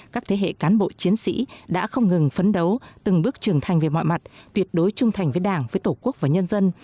các thế hệ cán bộ chiến sĩ đã không ngừng phấn đấu từng bước trưởng thành về mọi mặt tuyệt đối trung thành với đảng với tổ quốc và nhân dân